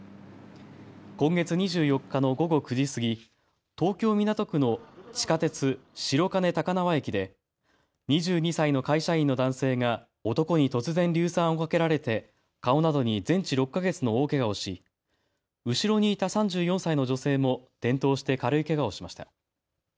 今月２４日の午後９時過ぎ、東京港区の地下鉄白金高輪駅で２２歳の会社員の男性が男に突然、硫酸をかけられて顔などに全治６か月の大けがをし後ろにいた３４歳の女性も転倒して軽いけがをしました。